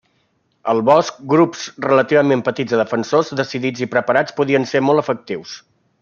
Al bosc, grups relativament petits de defensors decidits i preparats podien ser molt efectius.